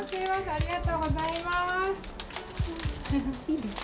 ありがとうございます。